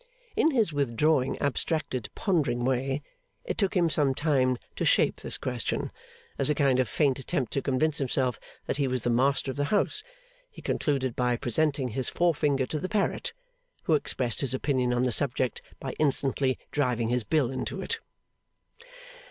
In his withdrawing, abstracted, pondering way, it took him some time to shape this question. As a kind of faint attempt to convince himself that he was the master of the house, he concluded by presenting his forefinger to the parrot, who expressed his opinion on that subject by instantly driving his bill into it.